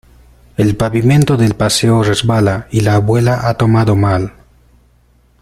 El pavimento del paseo resbala y la abuela ha tomado mal.